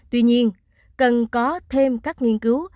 tuy nhiên cần có thêm các nghiên cứu